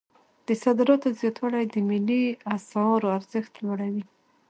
د صادراتو زیاتوالی د ملي اسعارو ارزښت لوړوي.